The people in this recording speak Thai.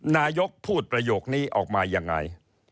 นายกพูดประโยคนี้ออกมายังไง